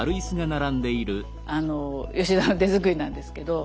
あの吉田の手作りなんですけど。